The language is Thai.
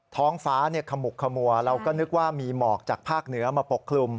ท้องฟ้าขมุกขมัวเราก็นึกว่ามีหมอกจากภาคเหนือมาปกคลุม